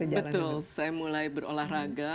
saya jalankan betul saya mulai berolahraga